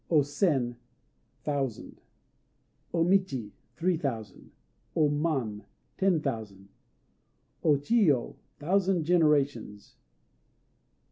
O Sen "Thousand." O Michi "Three Thousand." O Man "Ten Thousand." O Chiyo "Thousand Generations."